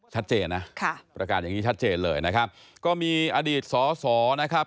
ชัดเจนนะค่ะประกาศอย่างนี้ชัดเจนเลยนะครับก็มีอดีตสอสอนะครับ